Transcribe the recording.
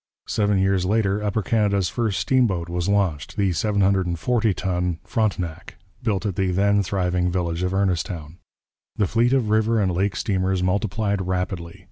Seven years later Upper Canada's first steamboat was launched, the 740 ton Frontenac, built at the then thriving village of Ernestown. The fleet of river and lake steamers multiplied rapidly.